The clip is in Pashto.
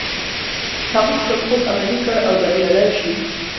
هغه خپل خوب عملي کړ او بريالی شو.